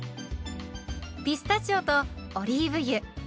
ピスタチオとオリーブ油。